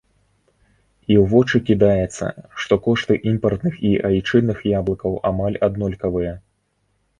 І ў вочы кідаецца, што кошты імпартных і айчынных яблыкаў амаль аднолькавыя!